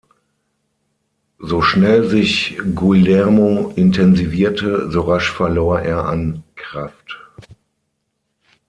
So schnell sich Guillermo intensivierte, so rasch verlor er an Kraft.